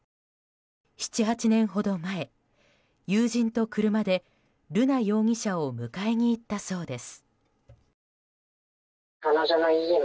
７８年ほど前、友人と車で瑠奈容疑者を迎えに行ったそうです。